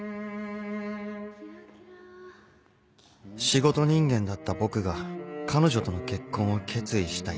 仕事人間だった僕が彼女との結婚を決意した